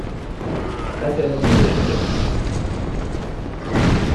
Beszélhetnél Lengyelül is.